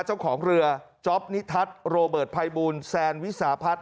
เจ้าของเรือจ๊อปนิทัศน์โรเบิร์ตภัยบูลแซนวิสาพัฒน์